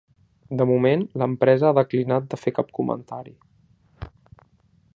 De moment, l’empresa ha declinat de fer cap comentari.